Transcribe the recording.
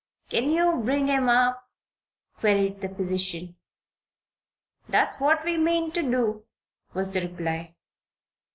"Can you bring him up?" queried the physician. "That's what we mean to do," was the reply.